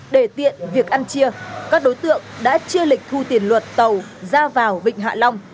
để tiện việc ăn chia các đối tượng đã chia lịch thu tiền luật tàu ra vào vịnh hạ long